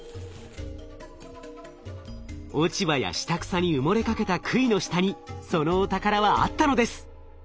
落ち葉や下草に埋もれかけたくいの下にそのお宝はあったのです！